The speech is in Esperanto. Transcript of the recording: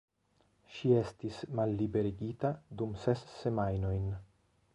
Ŝi estis malliberigita dum ses semajnojn.